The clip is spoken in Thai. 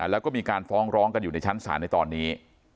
แล้วก็มีการฟ้องร้องกันอยู่ในชั้นศาลในตอนนี้